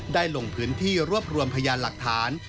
ลงพื้นที่รวบรวมพยานหลักฐาน